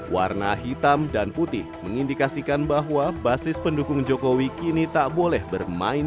warna hitam dan putih mengindikasikan bahwa basis pendukung jokowi kini tak boleh bermain